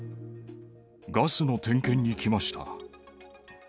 ガスの点検に来ました。